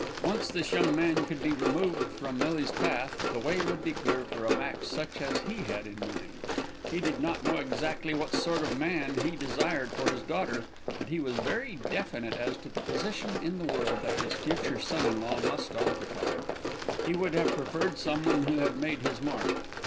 Once this young man could be removed from Millie's path, the way would be clear for a match such as he had in mind. He did not know exactly what sort of man he desired for his daughter; but he was very definite as to the position in the world that his future son in law must occupy. He would have preferred someone who had made his mark.